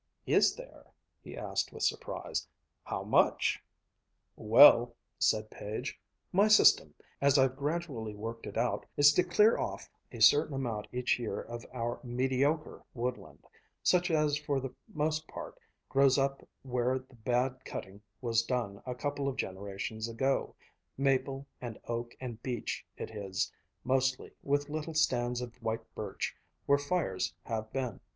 "Is there?" he asked with surprise. "How much?" "Well," said Page, "my system, as I've gradually worked it out, is to clear off a certain amount each year of our mediocre woodland, such as for the most part grows up where the bad cutting was done a couple of generations ago maple and oak and beech it is, mostly, with little stands of white birch, where fires have been.